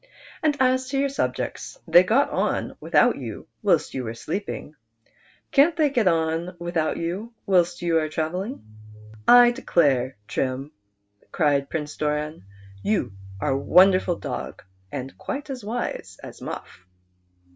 And as to your subjects, they got on without you whilst you were sleeping ; can't they get on witliout you whilst you are travelling ?" "I declare. Trim," cried Prince Doran, "you are a wonderful dog, and quite as wise as Alufif."